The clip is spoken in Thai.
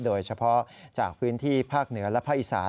โดยเฉพาะจากพื้นที่ภาคเหนือและภาคอีสาน